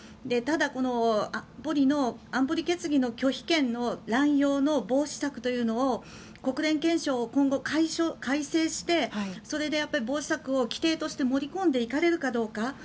ただ、安保理決議の拒否権の乱用の防止策というのを国連憲章を今後改正してそれで防止策を規定として盛り込んでいかれるかどうか。